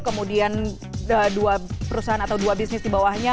kemudian dua perusahaan atau dua bisnis di bawahnya